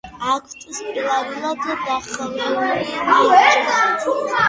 აქვთ სპირალურად დახვეული ნიჟარა.